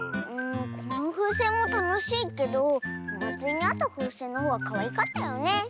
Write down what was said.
このふうせんもたのしいけどおまつりにあったふうせんのほうがかわいかったよね。